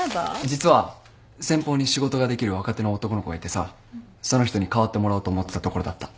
実は先方に仕事ができる若手の男の子がいてさその人に代わってもらおうと思ってたところだった。